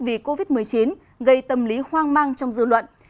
vì covid một mươi chín gây tâm lý hoang mang trong dư luận